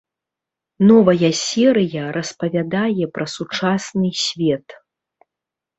Новая серыя распавядае пра сучасны свет.